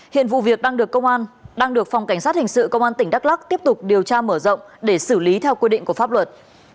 hiện vụ việc đang được công an đang được phòng cảnh sát hình sự công an tỉnh đắk lắc tiếp tục điều tra mở rộng để xử lý theo quy định của pháp luật